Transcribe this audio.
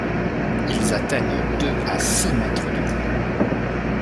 Ils atteignent deux à six mètres de haut.